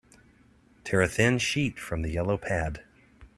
Tear a thin sheet from the yellow pad.